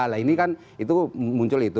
nah ini kan itu muncul itu